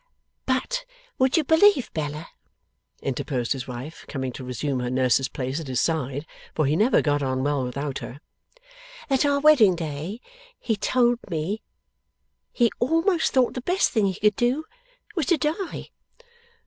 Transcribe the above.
'But would you believe, Bella,' interposed his wife, coming to resume her nurse's place at his side, for he never got on well without her: 'that on our wedding day he told me he almost thought the best thing he could do, was to die?